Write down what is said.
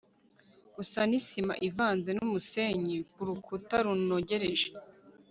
usa n'isima ivanze n'umusenyi ku rukuta runogereje